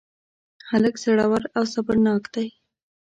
هلک زړور او صبرناک دی.